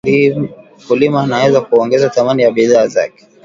Mkulima anaweza kuongeza thamani ya bidhaa zake